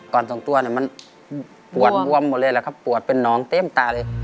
ส่งตัวเนี่ยมันปวดบวมหมดเลยแหละครับปวดเป็นน้องเต็มตาเลย